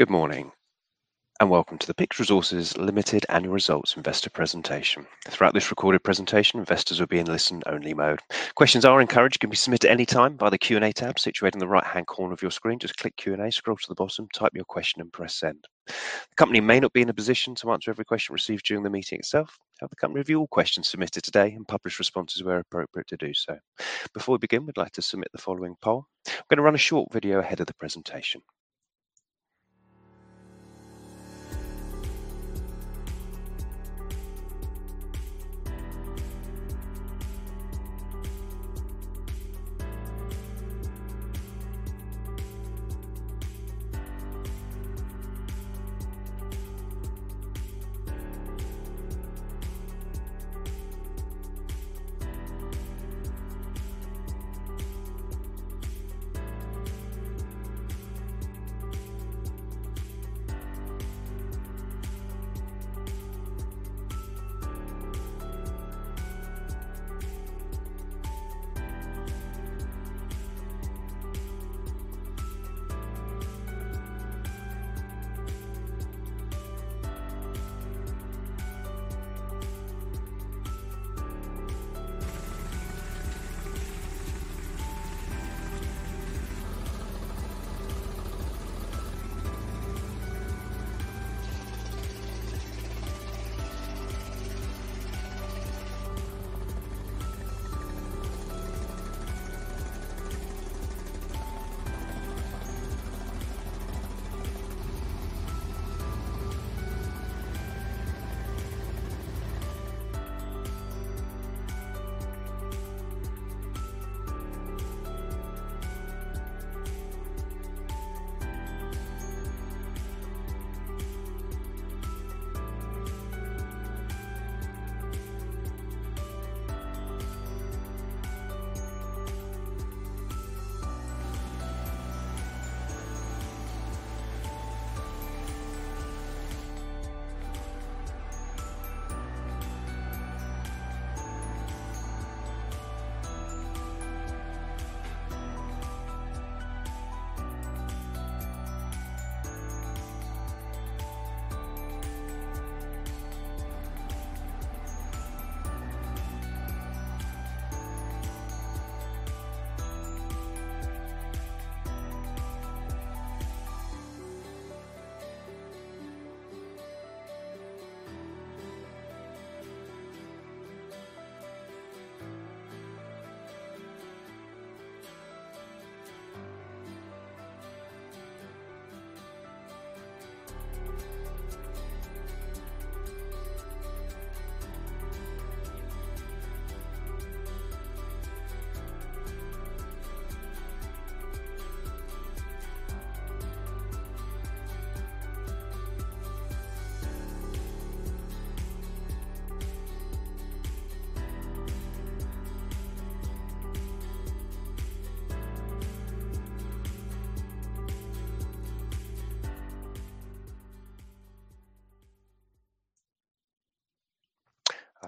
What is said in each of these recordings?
Good morning, and welcome to the PYX Resources Limited Annual Results Investor Presentation. Throughout this recorded presentation, investors will be in listen-only mode. Questions are encouraged. They can be submitted at any time by the Q&A tab situated in the right-hand corner of your screen. Just click Q&A, scroll to the bottom, type your question and press Send. The company may not be in a position to answer every question received during the meeting itself. The company will review all questions submitted today and publish responses where appropriate to do so. Before we begin, we'd like to submit the following poll. I'm gonna run a short video ahead of the presentation.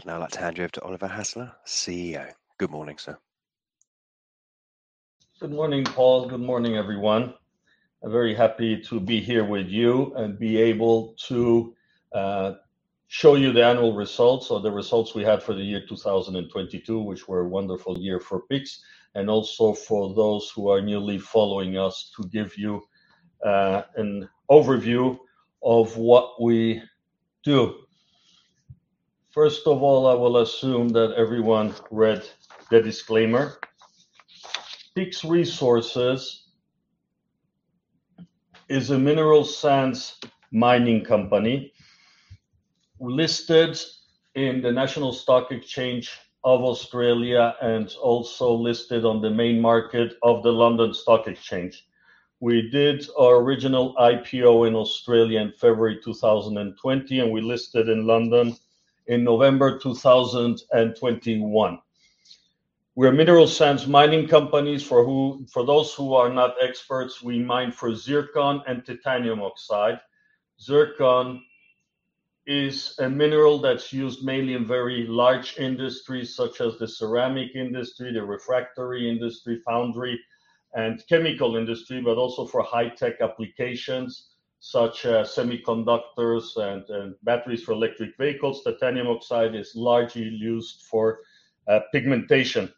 I'd now like to hand you over to Oliver Hasler, CEO. Good morning, sir. Good morning, Paul. Good morning, everyone. I'm very happy to be here with you and be able to show you the annual results or the results we had for the year 2022, which was a wonderful year for PYX, and also for those who are newly following us, to give you an overview of what we do. First of all, I will assume that everyone has read the disclaimer. PYX Resources is a mineral sands mining company listed on the National Stock Exchange of Australia and also listed on the main market of the London Stock Exchange. We did our original IPO in Australia in February 2020, and we listed in London in November 2021. We're a mineral sands mining company. For those who are not experts, we mine for zircon and titanium oxide. Zircon is a mineral that's used mainly in very large industries such as the ceramic industry, the refractory industry, foundry, and chemical industry, but also for high-tech applications such as semiconductors and batteries for electric vehicles. Titanium oxide is largely used for pigmentation.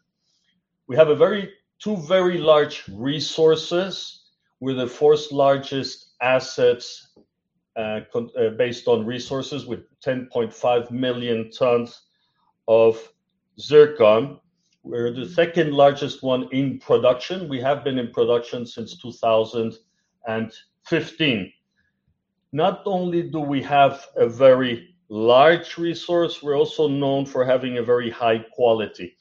We have 2 very large resources. We're the fourth-largest assets based on resources, with 10.5 million tons of zircon. We're the second-largest one in production. We have been in production since 2015. Not only do we have a very large resource, but we're also known for having a very high quality.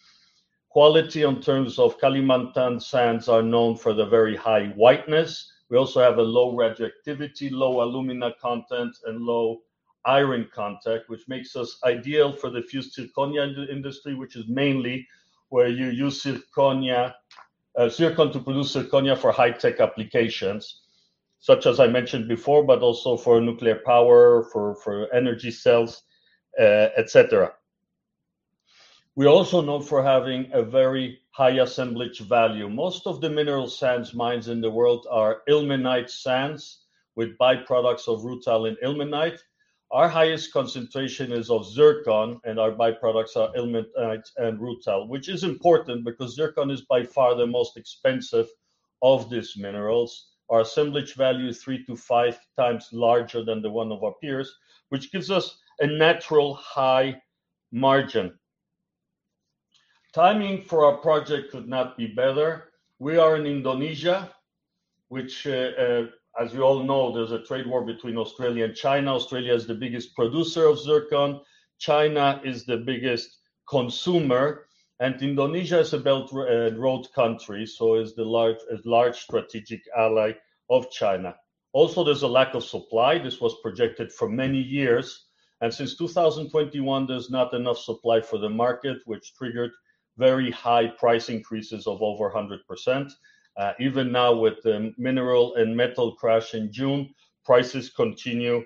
Quality in terms of Kalimantan sands is known for their very high whiteness. We also have low radioactivity, low alumina content, and low iron content, which makes us ideal for the fused zirconia industry, which is mainly where you use zirconia, zircon to produce zirconia for high-tech applications, such as I mentioned before, but also for nuclear power, for energy cells, etc. We're also known for having a very high assemblage value. Most of the mineral sands mines in the world are ilmenite sands with by-products of rutile and zircon. Our highest concentration is of zircon, and our by-products are ilmenite and rutile, which are important because zircon is by far the most expensive of these minerals. Our assemblage value is 3-5 times larger than the one of our peers, which gives us a natural high margin. The timing for our project could not be better. We are in Indonesia, which, as you all know, there's a trade war between Australia and China. Australia is the biggest producer of zircon. China is the biggest consumer. Indonesia is a Belt and Road country, so is a large strategic ally of China. Also, there's a lack of supply. This was projected for many years, and since 2021, there's not enough supply for the market, which triggered very high price increases of over 100%. Even now with the mineral and metal crash in June, prices continue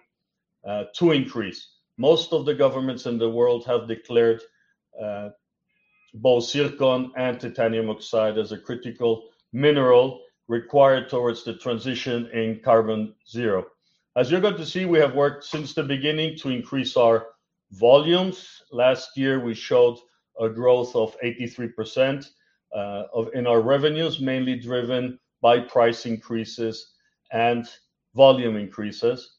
to increase. Most of the governments in the world have declared both zircon and titanium oxide as a critical mineral required towards the transition in carbon zero. As you're going to see, we have worked since the beginning to increase our volumes. Last year, we showed a growth of 83% in our revenues, mainly driven by price increases and volume increases.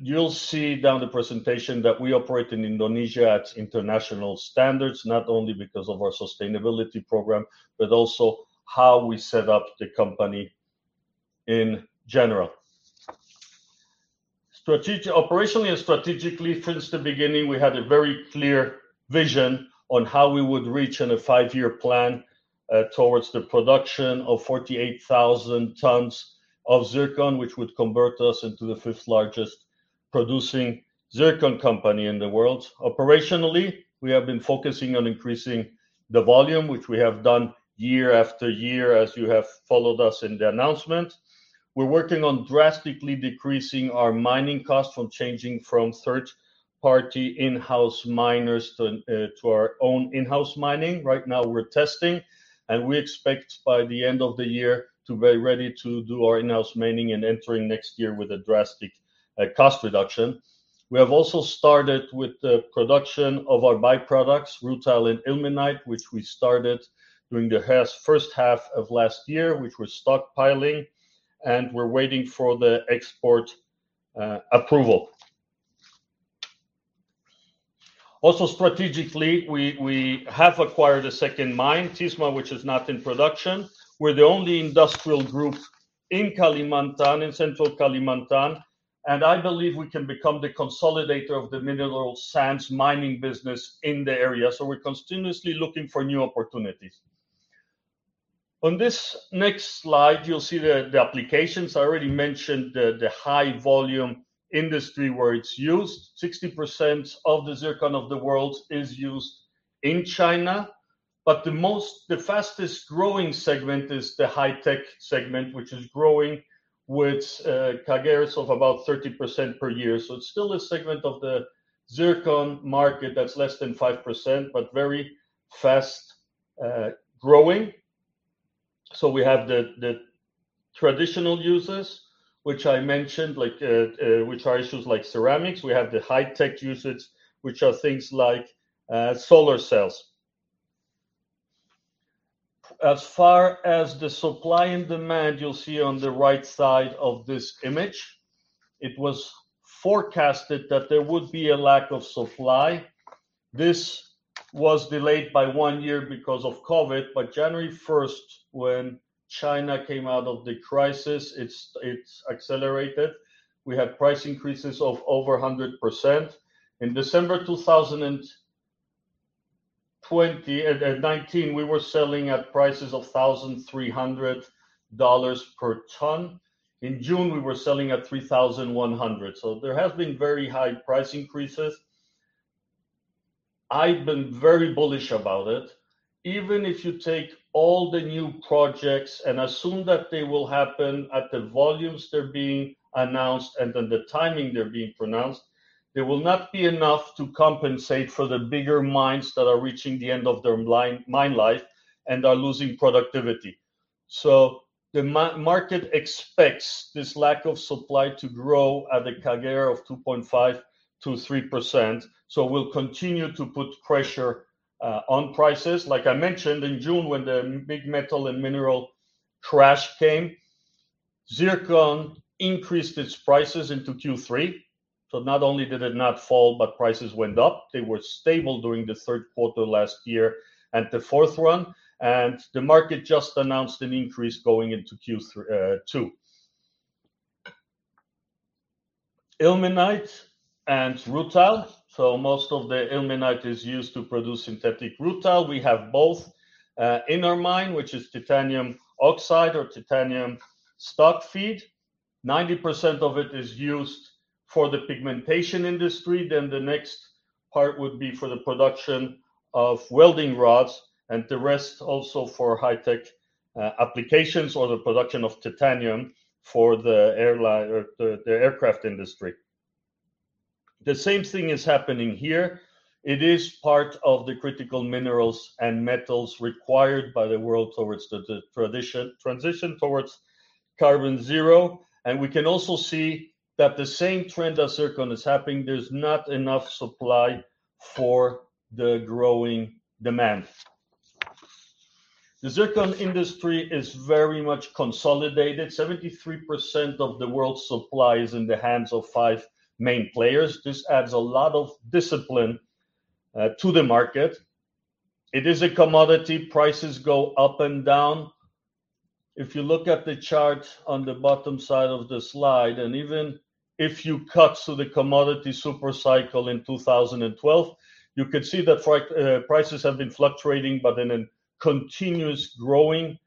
You'll see through the presentation that we operate in Indonesia at international standards, not only because of our sustainability program, but also in how we set up the company in general. Operationally and strategically, since the beginning, we had a very clear vision on how we would reach in a 5-year plan towards the production of 48,000 tons of zircon, which would convert us into the fifth-largest producing zircon company in the world. Operationally, we have been focusing on increasing the volume, which we have done year after year, as you have followed us in the announcement. We're working on drastically decreasing our mining costs from changing from third-party to our own in-house mining. Right now, we're testing, and we expect by the end of the year to be ready to do our in-house mining and entering next year with a drastic cost reduction. We have also started with the production of our by-products, rutile and ilmenite, which we started during the first half of last year, which we're stockpiling, and we're waiting for the export approval. Also, strategically, we have acquired a second mine, Tisma, which is not in production. We're the only industrial group in Kalimantan, in central Kalimantan, and I believe we can become the consolidator of the mineral sands mining business in the area. We're continuously looking for new opportunities. On this next slide, you'll see the applications. I already mentioned the high-volume industry where it's used. 60% of the zircon of the world is used in China, but the fastest-growing segment is the high-tech segment, which is growing with CAGRs of about 30% per year. It's still a segment of the zircon market that's less than 5%, but very fast-growing. We have the traditional uses, which I mentioned, like, which are uses like ceramics. We have the high-tech usage, which are things like solar cells. As far as the supply and demand, you'll see on the right side of this image, it was forecasted that there would be a lack of supply. This was delayed by 1 year because of COVID, but January 1, when China came out of the crisis, it's accelerated. We had price increases of over 100%. In December 2019, we were selling at prices of $1,300 per ton. In June, we were selling at $3,100. There has been very high price increases. I've been very bullish about it. Even if you take all the new projects and assume that they will happen at the volumes they're being announced and then the timing they're being announced, there will not be enough to compensate for the bigger mines that are reaching the end of their mine life and are losing productivity. The market expects this lack of supply to grow at a CAGR of 2.5%-3%, we'll continue to put pressure on prices. Like I mentioned, in June when the big metal and mineral crash came, zircon increased its prices into Q3. Not only did it not fall, but prices went up. They were stable during the third quarter last year and the fourth one, and the market just announced an increase going into Q2. Ilmenite and rutile. Most of the ilmenite is used to produce synthetic rutile. We have both in our mine, which is titanium oxide or titanium feedstock. 90% of it is used for the pigmentation industry, then the next part would be for the production of welding rods, and the rest also for high-tech applications or the production of titanium for the aircraft industry. The same thing is happening here. It is part of the critical minerals and metals required by the world towards the transition towards carbon zero, and we can also see that the same trend as zircon is happening. There's not enough supply for the growing demand. The zircon industry is very much consolidated. 73% of the world's supply is in the hands of 5 main players. This adds a lot of discipline to the market. It is a commodity. Prices go up and down. If you look at the chart on the bottom side of the slide, and even if you cut to the commodity super cycle in 2012, you can see that prices have been fluctuating, but in a continuous growing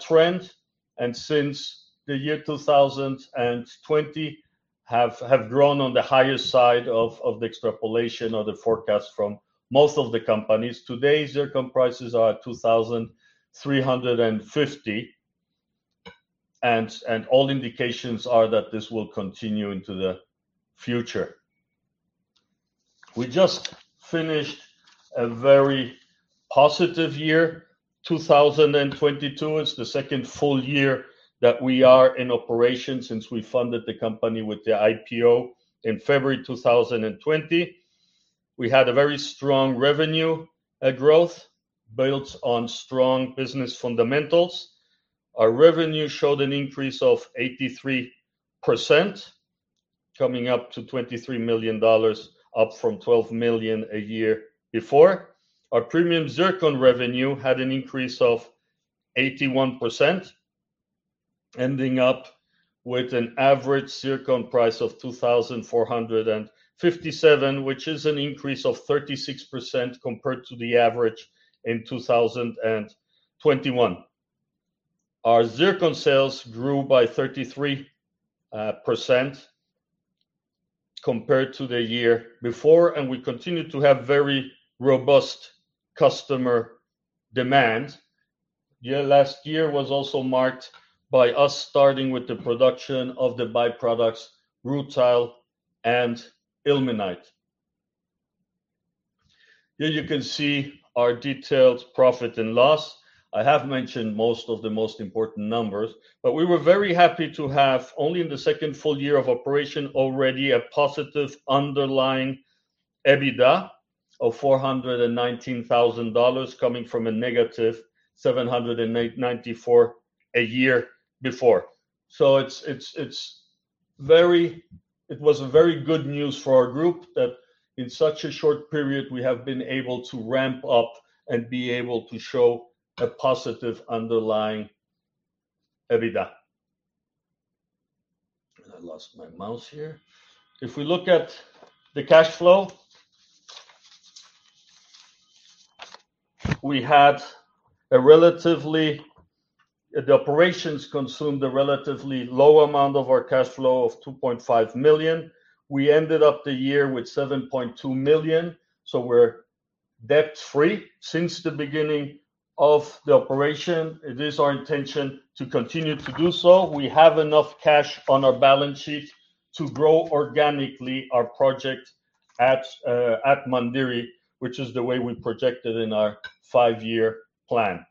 trend, and since the year 2020 have grown on the higher side of the extrapolation or the forecast from most of the companies. Today, zircon prices are at $2,350, and all indications are that this will continue into the future. We just finished a very positive year. 2022, it's the second full year that we are in operation since we funded the company with the IPO in February 2020. We had a very strong revenue growth built on strong business fundamentals. Our revenue showed an increase of 83%, coming up to $23 million, up from $12 million a year before. Our premium zircon revenue had an increase of 81%, ending up with an average zircon price of 2,457, which is an increase of 36% compared to the average in 2021. Our zircon sales grew by 33% compared to the year before, and we continued to have very robust customer demand. Last year was also marked by us starting with the production of the byproducts rutile and ilmenite. Here you can see our detailed profit and loss. I have mentioned most of the most important numbers, but we were very happy to have only in the second full year of operation already a positive underlying EBITDA of $419,000 coming from a negative $794,000 a year before. It was very good news for our group that in such a short period we have been able to ramp up and be able to show a positive underlying EBITDA. I lost my mouse here. If we look at the cash flow, the operations consumed a relatively low amount of our cash flow of $2.5 million. We ended up the year with $7.2 million, so we're debt-free since the beginning of the operation. It is our intention to continue to do so. We have enough cash on our balance sheet to grow our project organically at Mandiri, which is the way we projected in our five-year plan.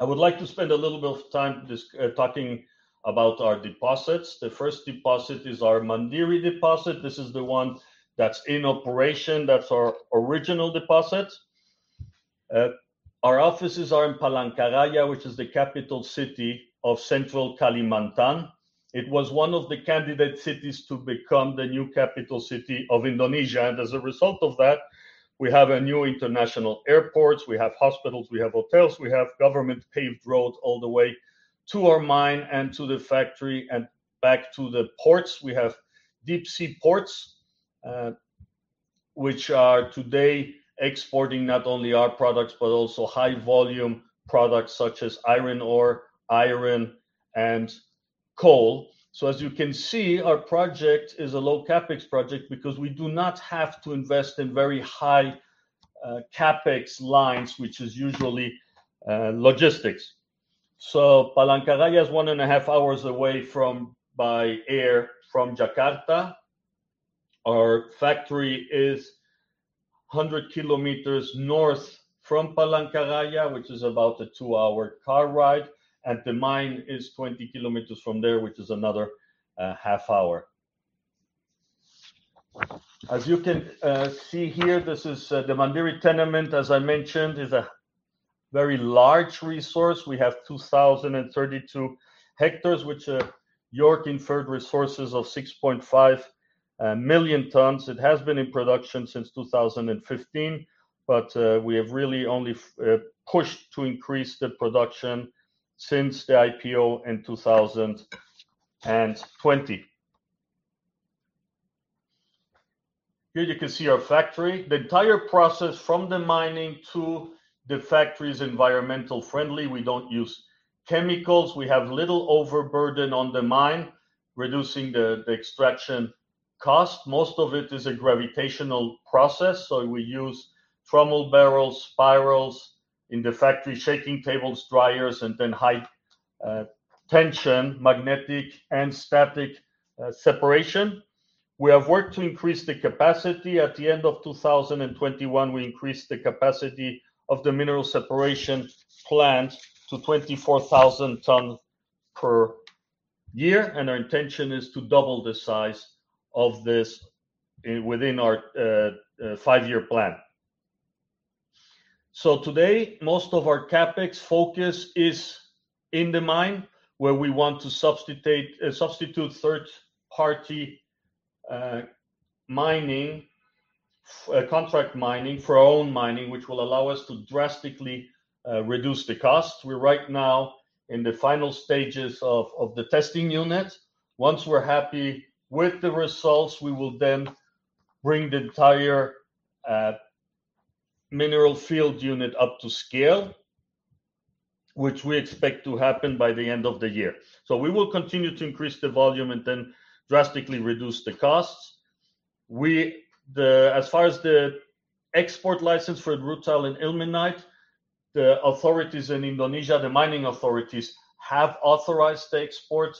I would like to spend a little bit of time just talking about our deposits. The first deposit is our Mandiri deposit. This is the one that's in operation. That's our original deposit. Our offices are in Palangkaraya, which is the capital city of Central Kalimantan. It was one of the candidate cities to become the new capital city of Indonesia, and as a result of that, we have a new international airport, we have hospitals, we have hotels, we have government-paved roads all the way to our mine and to the factory and back to the ports. We have deep-sea ports, which are today exporting not only our products, but also high-volume products such as iron ore, iron, and coal. As you can see, our project is a low CapEx project because we do not have to invest in very high CapEx lines, which are usually logistics. Palangkaraya is one and a half hours away by air from Jakarta. Our factory is 100 km north from Palangkaraya, which is about a two-hour car ride, and the mine is 20 km from there, which is another half hour. As you can see here, this is the Mandiri tenement, as I mentioned, is a very large resource. We have 2,032 hectares, which are JORC-inferred resources of 6.5 million tons. It has been in production since 2015, but we have really only pushed to increase the production since the IPO in 2020. Here you can see our factory. The entire process from the mining to the factory is environmentally friendly. We don't use chemicals. We have little overburden on the mine, reducing the extraction cost. Most of it is a gravitational process, so we use trommel barrels, spirals in the factory, shaking tables, dryers, and then high tension, magnetic and static separation. We have worked to increase the capacity. At the end of 2021, we increased the capacity of the mineral separation plant to 24,000 tons per year, and our intention is to double the size of this within our five-year plan. Today, most of our CapEx focus is in the mine, where we want to substitute third-party contract mining for our own mining, which will allow us to drastically reduce the cost. We're right now in the final stages of the testing unit. Once we're happy with the results, we will then bring the entire mining fleet up to scale, which we expect to happen by the end of the year. We will continue to increase the volume and then drastically reduce the costs. As far as the export license for rutile and ilmenite, the authorities in Indonesia, the mining authorities, have authorized the export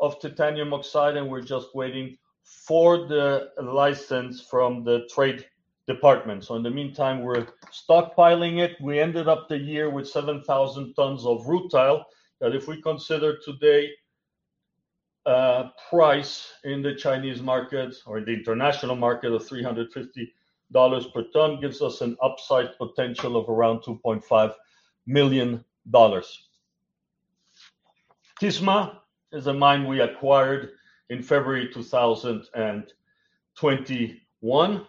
of titanium oxide, and we're just waiting for the license from the trade department. In the meantime, we're stockpiling it. We ended up the year with 7,000 tons of rutile, that if we consider today, price in the Chinese market or the international market of $350 per ton gives us an upside potential of around $2.5 million. Tisma is a mine we acquired in February 2021.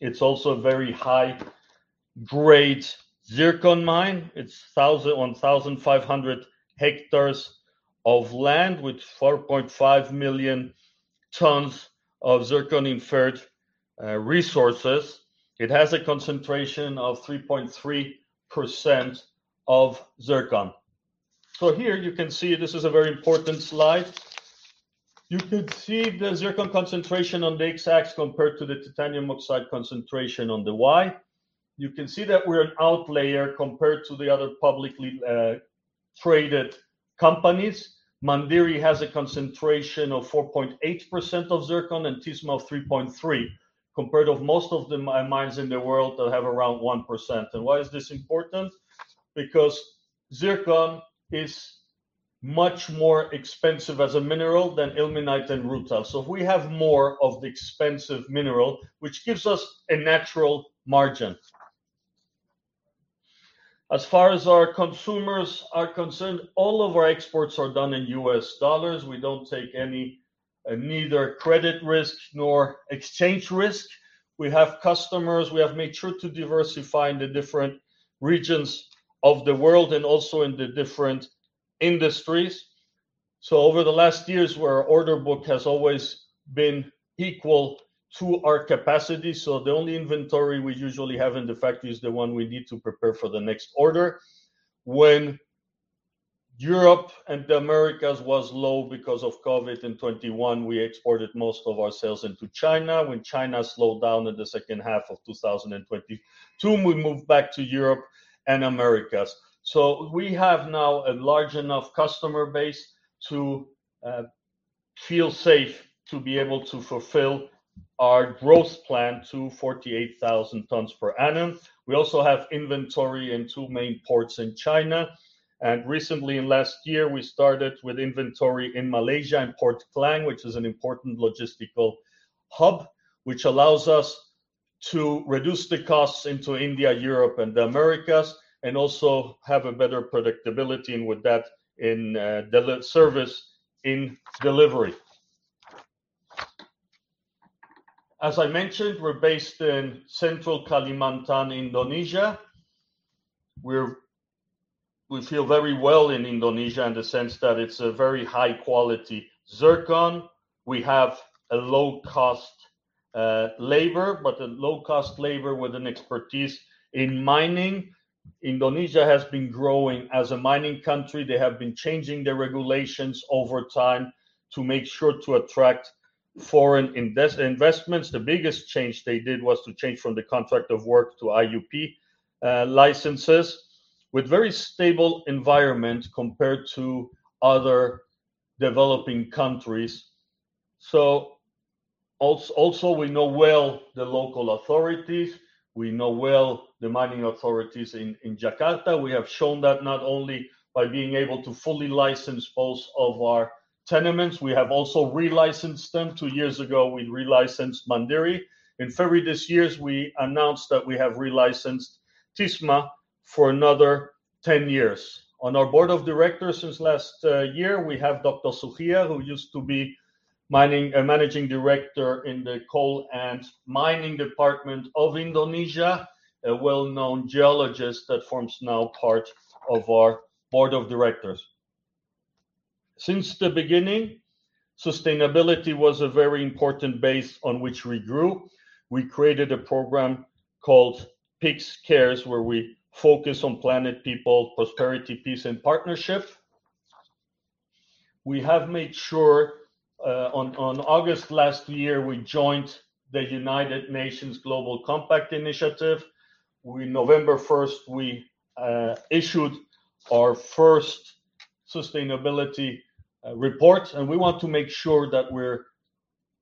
It's also a very high-grade zircon mine. It's 1,500 hectares of land with 4.5 million tons of zircon inferred resources. It has a concentration of 3.3% of zircon. Here you can see this is a very important slide. You could see the zircon concentration on the X-axis compared to the titanium oxide concentration on the Y. You can see that we're an outlier compared to the other publicly traded companies. Mandiri has a concentration of 4.8% of zircon, and Tisma of 3.3%, compared to most of the mines in the world that have around 1%. Why is this important? Because zircon is much more expensive as a mineral than ilmenite and rutile, so we have more of the expensive mineral, which gives us a natural margin. As far as our consumers are concerned, all of our exports are done in U.S. dollars. We don't take any, neither credit risk nor exchange risk. We have customers, we have made sure to diversify in the different regions of the world and also in the different industries. Over the last years, our order book has always been equal to our capacity, so the only inventory we usually have in the factory is the one we need to prepare for the next order. When Europe and the Americas was low because of COVID in 2021, we exported most of our sales into China. When China slowed down in the second half of 2022, we moved back to Europe and Americas. We have now a large enough customer base to feel safe to be able to fulfill our growth plan to 48,000 tons per annum. We also have inventory in two main ports in China, and recently in last year, we started with inventory in Malaysia in Port Klang, which is an important logistical hub, which allows us to reduce the costs into India, Europe, and the Americas, and also have a better predictability, and with that in the level of service in delivery. As I mentioned, we're based in Central Kalimantan, Indonesia. We feel very well in Indonesia in the sense that it's a very high-quality zircon. We have a low-cost labor, but a low-cost labor with an expertise in mining. Indonesia has been growing as a mining country. They have been changing their regulations over time to make sure to attract foreign investments. The biggest change they did was to change from the Contract of Work to IUP licenses, with very stable environment compared to other developing countries. Also we know well the local authorities. We know well the mining authorities in Jakarta. We have shown that not only by being able to fully license both of our tenements, we have also relicensed them. Two years ago, we relicensed Mandiri. In February this year, we announced that we have relicensed Tisma for another 10 years. On our board of directors since last year, we have Dr. Sukhyar, who used to be in mining Managing Director in the Coal and Mining Department of Indonesia, a well-known geologist that now forms part of our board of directors. Since the beginning, sustainability was a very important basis on which we grew. We created a program called PYX Cares, where we focus on planet, people, prosperity, peace, and partnership. We have made sure on August last year we joined the United Nations Global Compact. November 1st, we issued our first sustainability report, and we want to make sure that we're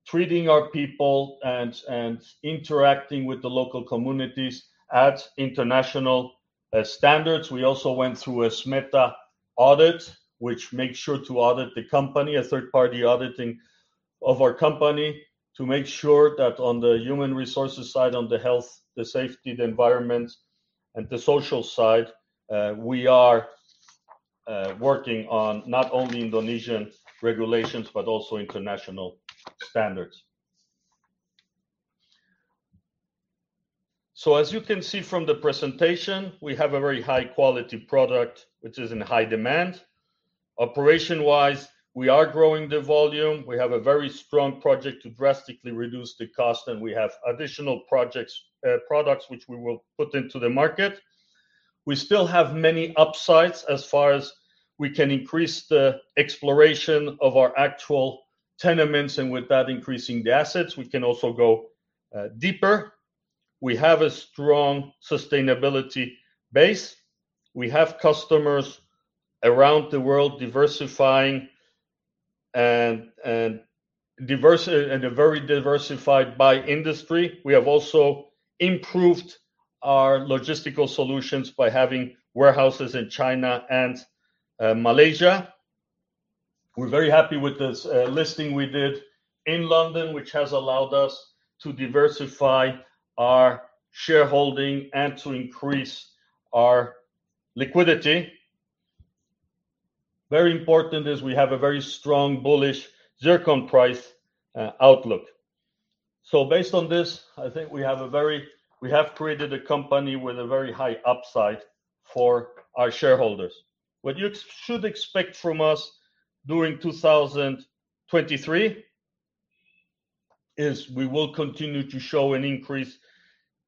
treating our people and interacting with the local communities at international standards. We also went through a SMETA audit, which makes sure to audit the company, a third-party auditing of our company, to make sure that on the human resources side, on the health, the safety, the environment, and the social side, we are working on not only Indonesian regulations but also international standards. As you can see from the presentation, we have a very high quality product which is in high demand. Operation-wise, we are growing the volume. We have a very strong project to drastically reduce the cost, and we have additional projects, products which we will put into the market. We still have many upsides as far as we can increase the exploration of our actual tenements, and with that, increasing the assets. We can also go deeper. We have a strong sustainability base. We have customers around the world diversifying and diverse. A very diversified by industry. We have also improved our logistical solutions by having warehouses in China and Malaysia. We're very happy with this listing we did in London, which has allowed us to diversify our shareholding and to increase our liquidity. Very important is we have a very strong bullish zircon price outlook. Based on this, I think we have created a company with a very high upside for our shareholders. What you should expect from us during 2023 is we will continue to show an increase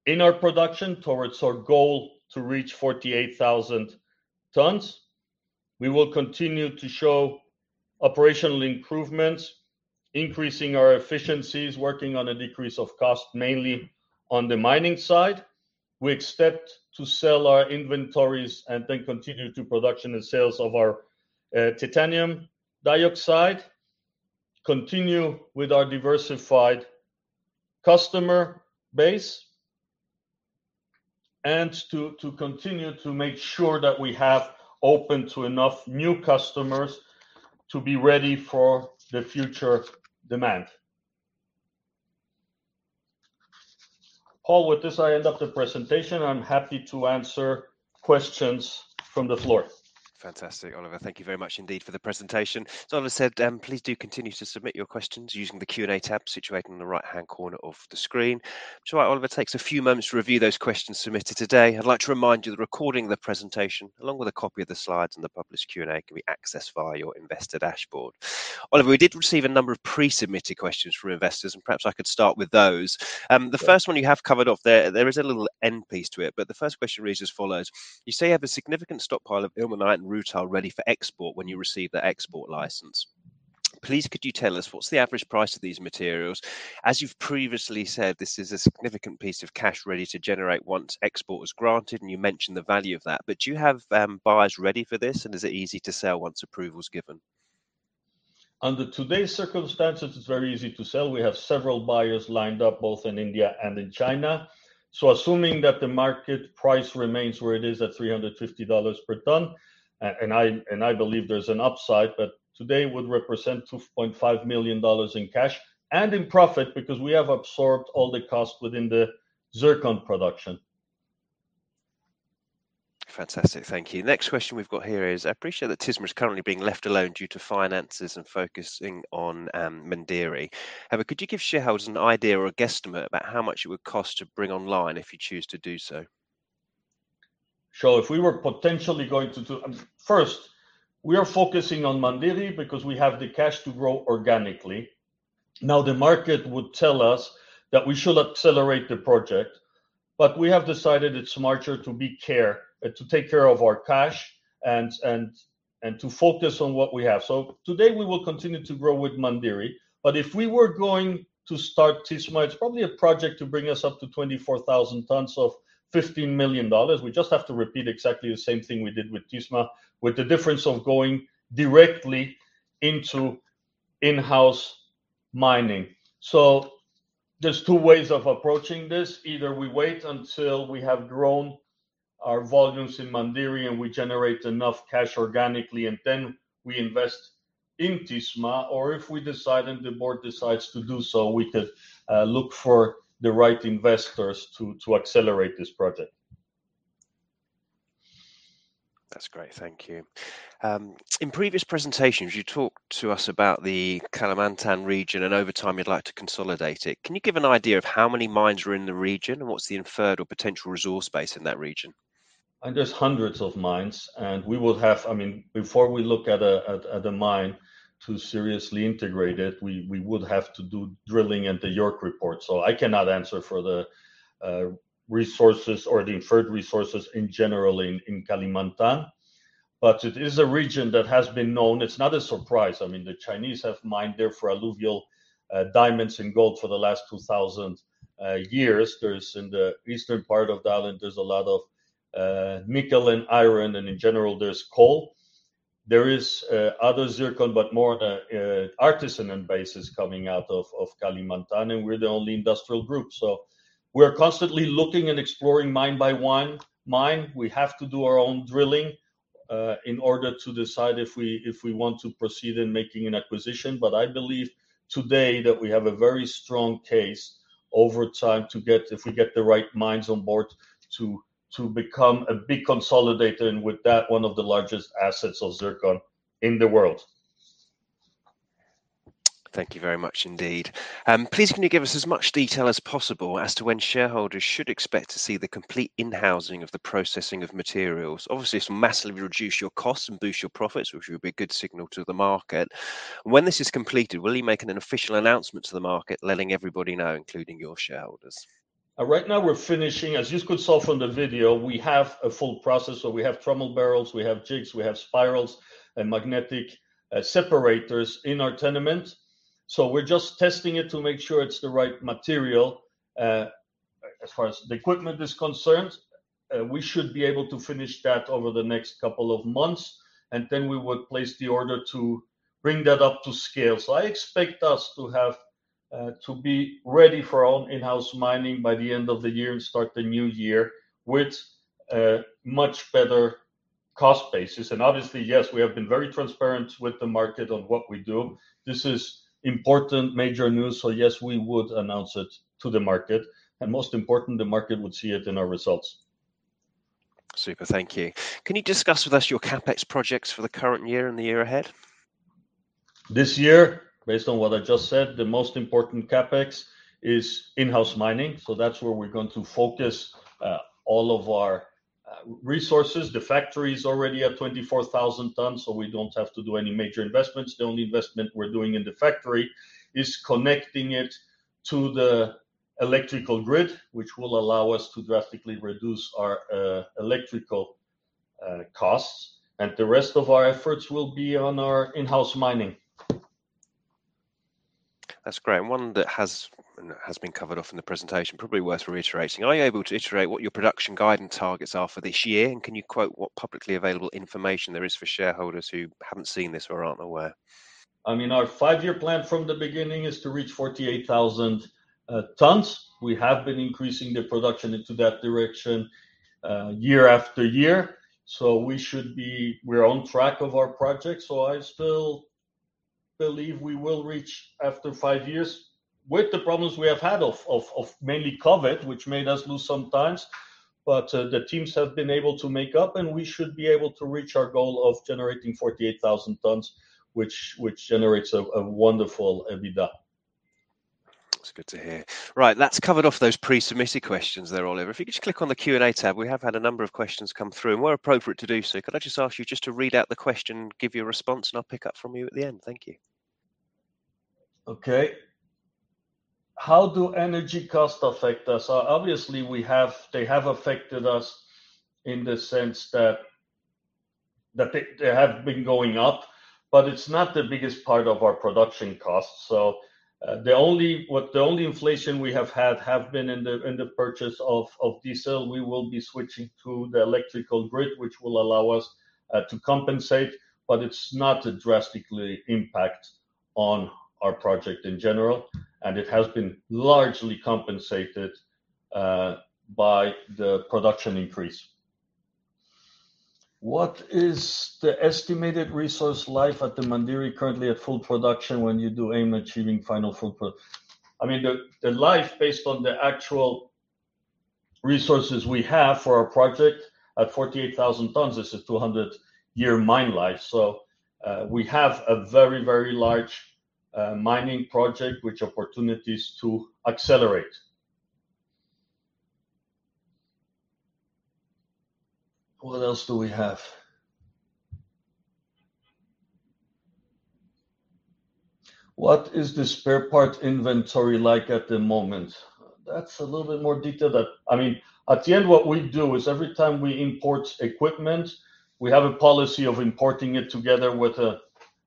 in our production towards our goal to reach 48,000 tons. We will continue to show operational improvements, increasing our efficiencies, working on a decrease of cost, mainly on the mining side. We expect to sell our inventories and then continue to production and sales of our titanium dioxide, continue with our diversified customer base, and to continue to make sure that we have open to enough new customers to be ready for the future demand. Paul, with this, I wrap up the presentation. I'm happy to answer questions from the floor. Fantastic, Oliver. Thank you very much indeed for the presentation. As Oliver said, please do continue to submit your questions using the Q&A tab situated on the right-hand corner of the screen. While Oliver takes a few moments to review those questions submitted today, I'd like to remind you that the recording of the presentation, along with a copy of the slides and the published Q&A, can be accessed via your investor dashboard. Oliver, we did receive a number of pre-submitted questions from investors, and perhaps I could start with those. The first one you have covered off there. There is a little end piece to it, but the first question reads as follows: "You say you have a significant stockpile of ilmenite and rutile ready for export when you receive the export license. Please could you tell us what the average price of these materials? As you've previously said, this is a significant piece of cash ready to generate once export is granted, and you mentioned the value of that, but do you have buyers ready for this, and is it easy to sell once approval is given? Under today's circumstances, it's very easy to sell. We have several buyers lined up both in India and in China. Assuming that the market price remains where it is at $350 per ton, and I believe there's an upside, but today would represent $2.5 million in cash and in profit because we have absorbed all the cost within the zircon production. Fantastic. Thank you. Next question we've got here is, "I appreciate that Tisma is currently being left alone due to finances and focusing on Mandiri. However, could you give shareholders an idea or a guesstimate about how much it would cost to bring online if you choose to do so? Sure. If we were potentially going to do. First, we are focusing on Mandiri because we have the cash to grow organically. Now, the market would tell us that we should accelerate the project, but we have decided it's smarter to be careful to take care of our cash and to focus on what we have. Today, we will continue to grow with Mandiri, but if we were going to start Tisma, it's probably a project to bring us up to 24,000 tons of $15 million. We just have to repeat exactly the same thing we did with Tisma, with the difference of going directly into in-house mining. There are two ways of approaching this. Either we wait until we have grown our volumes in Mandiri and we generate enough cash organically, and then we invest in Tisma, or if we decide and the board decides to do so, we could look for the right investors to accelerate this project. That's great, thank you. In previous presentations, you talked to us about the Kalimantan region, and over time, you'd like to consolidate it. Can you give an idea of how many mines are in the region, and what the inferred or potential resource base in that region? There are hundreds of mines, and we will have. I mean, before we look at a mine to seriously integrate it, we would have to do drilling and the JORC Report. I cannot answer for the resources or the inferred resources in general in Kalimantan. It is a region that has been known. It's not a surprise. I mean, the Chinese have mined there for alluvial diamonds and gold for the last 2,000 years. There's, in the eastern part of the island, there's a lot of nickel and iron, and in general, there's coal. There are other zircon, but more on an artisanal basis coming out of Kalimantan, and we're the only industrial group. We're constantly looking and exploring mine by mine. We have to do our own drilling in order to decide if we want to proceed in making an acquisition. I believe today that we have a very strong case over time to get, if we get the right mines on board, to become a big consolidator, and with that, one of the largest assets of zircon in the world. Thank you very much indeed. Please can you give us as much detail as possible as to when shareholders should expect to see the complete in-housing of the processing of materials? Obviously, this will massively reduce your costs and boost your profits, which would be a good signal to the market. When this is completed, will you make an official announcement to the market letting everybody know, including your shareholders? Right now we're finishing. As you could see from the video, we have a full processor. We have trommel barrels, we have jigs, we have spirals and magnetic separators in our tenement. We're just testing it to make sure it's the right material. As far as the equipment is concerned, we should be able to finish that over the next couple of months, and then we would place the order to bring that up to scale. I expect us to be ready for our own in-house mining by the end of the year and start the new year with a much better cost basis. Obviously, yes, we have been very transparent with the market on what we do. This is important major news, so yes, we would announce it to the market, and most important, the market would see it in our results. Super. Thank you. Can you discuss with us your CapEx projects for the current year and the year ahead? This year, based on what I just said, the most important CapEx is in-house mining, so that's where we're going to focus all of our resources. The factory's already at 24,000 tons, so we don't have to do any major investments. The only investment we're doing in the factory is connecting it to the electrical grid, which will allow us to drastically reduce our electrical costs, and the rest of our efforts will be on our in-house mining. That's great. One that has been covered off in the presentation, probably worth reiterating. Are you able to iterate what your production guidance targets are for this year, and can you quote what publicly available information there is for shareholders who haven't seen this or aren't aware? I mean, our five-year plan from the beginning is to reach 48,000 tons. We have been increasing the production into that direction year after year, so we're on track of our project. I still believe we will reach after five years with the problems we have had of mainly COVID, which made us lose some times, but the teams have been able to make up, and we should be able to reach our goal of generating 48,000 tons, which generates a wonderful EBITDA. That's good to hear. Right, that's covered off those pre-submitted questions there, Oliver. If you could just click on the Q&A tab, we have had a number of questions come through, and where appropriate to do so, could I just ask you just to read out the question and give your response, and I'll pick up from you at the end. Thank you. Okay. How do energy costs affect us? Obviously they have affected us in the sense that they have been going up, but it's not the biggest part of our production costs. The only inflation we have had has been in the purchase of diesel. We will be switching to the electrical grid, which will allow us to compensate, but it's not a drastic impact on our project in general, and it has been largely compensated by the production increase. What is the estimated resource life at the Mandiri currently at full production? The life based on the actual resources we have for our project at 48,000 tons is a 200-year mine life. We have a very, very large mining project with opportunities to accelerate. What else do we have? What is the spare parts inventory like at the moment? That's a little bit more detailed. I mean, in the end, what we do is every time we import equipment, we have a policy of importing it together with a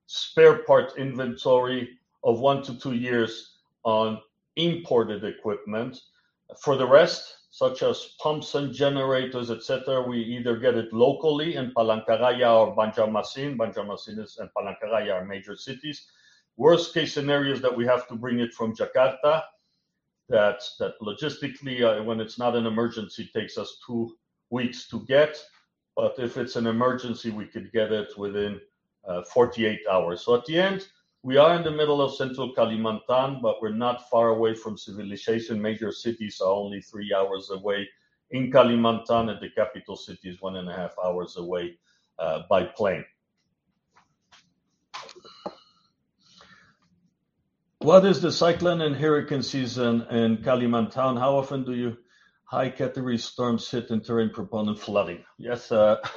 spare parts inventory of 1-2 years on imported equipment. For the rest, such as pumps and generators, et cetera, we either get them locally in Palangkaraya or Banjarmasin. Banjarmasin and Palangkaraya are major cities. The worst-case scenario is that we have to bring it from Jakarta. Logistically, when it's not an emergency, it takes us 2 weeks to get. But if it's an emergency, we could get it within 48 hours. At the end, we are in the middle of Central Kalimantan, but we're not far away from civilization. Major cities are only three hours away in Kalimantan, and the capital city is one and a half hours away by plane. What is the cyclone and hurricane season in Kalimantan? How often do high category storms hit and terrain prone to flooding? Yes,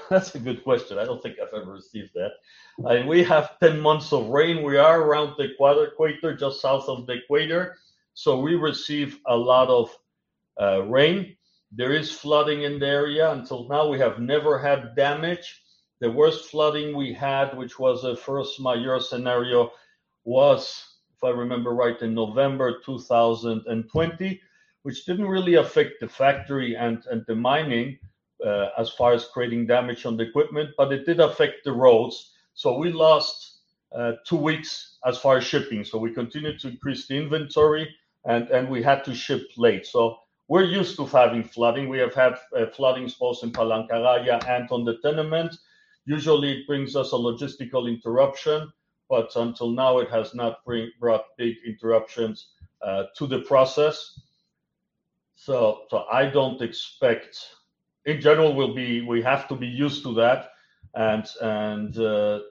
that's a good question. I don't think I've ever received that. We have 10 months of rain. We are around the equator, just south of the equator, so we receive a lot of rain. There is flooding in the area. Until now, we have never had damage. The worst flooding we had, which was a first major scenario, was, if I remember right, in November 2020, which didn't really affect the factory and the mining as far as creating damage on the equipment, but it did affect the roads. We lost 2 weeks as far as shipping. We continued to increase the inventory and we had to ship late. We're used to having flooding. We have had flooding both in Palangkaraya and on the tenement. Usually, it brings us a logistical interruption, but until now it has not brought big interruptions to the process. I don't expect. In general, we have to be used to that.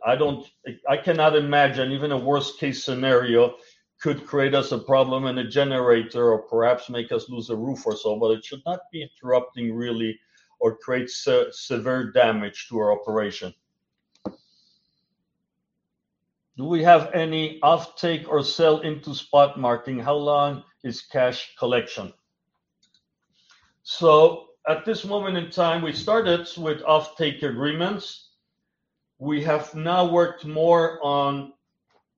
I cannot imagine even a worst case scenario could create us a problem and a generator or perhaps make us lose a roof or so, but it should not be interrupting really or create severe damage to our operation. Do we have any offtake or sell into spot market? How long is cash collection? At this moment in time, we started with offtake agreements. We have now worked more on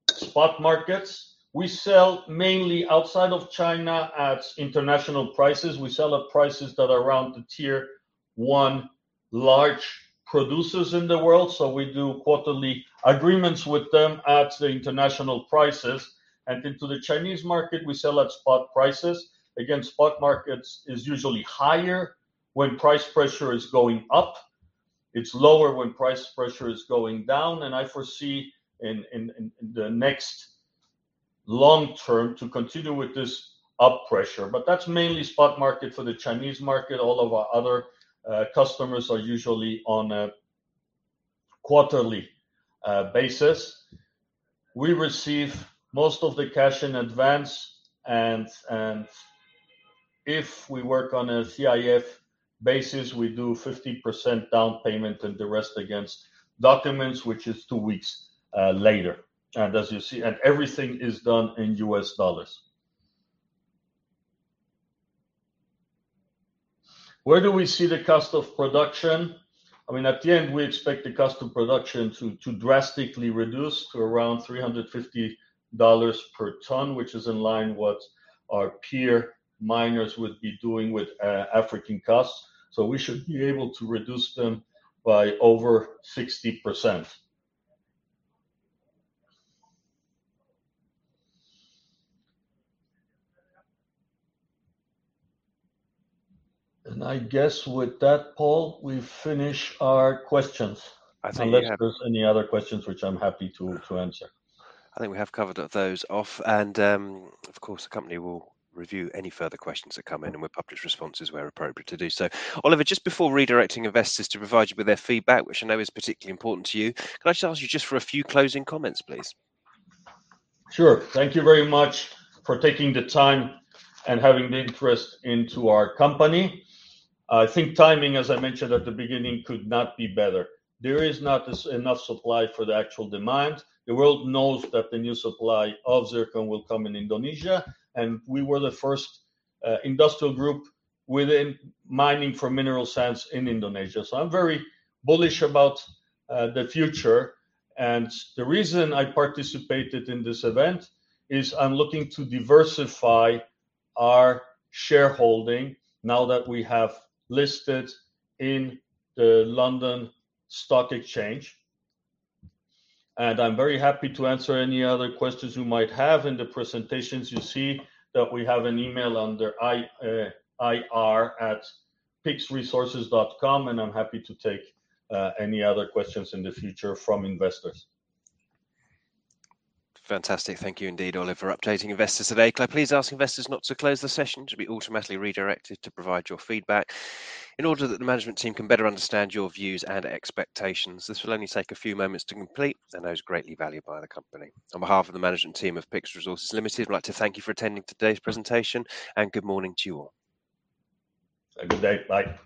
spot markets. We sell mainly outside of China at international prices. We sell at prices that are around the tier one large producers in the world. We do quarterly agreements with them at the international prices. Into the Chinese market, we sell at spot prices. Again, spot markets is usually higher when price pressure is going up. It's lower when price pressure is going down, and I foresee in the next long term to continue with this upward pressure. That's mainly spot market for the Chinese market. All of our other customers are usually on a quarterly basis. We receive most of the cash in advance and if we work on a CIF basis, we do 50% down payment and the rest against documents, which is two weeks later, as you see, and everything is done in U.S. dollars. Where do we see the cost of production? I mean, at the end, we expect the cost of production to drastically reduce to around $350 per ton, which is in line with what our peer miners would be doing with African costs. We should be able to reduce them by over 60%. I guess with that, Paul, we finish our questions. I think we have. Unless there are any other questions which I'm happy to answer. I think we have covered those off, and, of course, the company will review any further questions that come in, and we'll publish responses where appropriate to do so. Oliver, just before redirecting investors to provide you with their feedback, which I know is particularly important to you, can I just ask you for a few closing comments, please? Sure. Thank you very much for taking the time and having the interest into our company. I think timing, as I mentioned at the beginning, could not be better. There is not enough supply for the actual demand. The world knows that the new supply of zircon will come in Indonesia, and we were the first industrial group within mining for mineral sands in Indonesia. I'm very bullish about the future. The reason I participated in this event is I'm looking to diversify our shareholding now that we have listed on the London Stock Exchange. I'm very happy to answer any other questions you might have. In the presentations, you see that we have an email under IR, ir@pyxresources.com, and I'm happy to take any other questions in the future from investors. Fantastic. Thank you indeed, Oliver, for updating investors today. Can I please ask investors not to close the session to be automatically redirected to provide your feedback in order that the management team can better understand your views and expectations? This will only take a few moments to complete and is greatly valued by the company. On behalf of the management team of PYX Resources Limited, I'd like to thank you for attending today's presentation and good morning to you all. Have a good day. Bye.